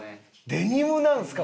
デニムなんですか？